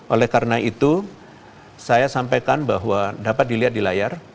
oleh karena itu saya sampaikan bahwa dapat dilihat di layar